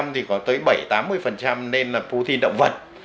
thì có tới bảy mươi tám mươi nên là protein động vật